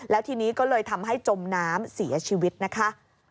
แล้วทีนี้ก็เลยทำให้จมน้ำเสียชีวิตนะคะ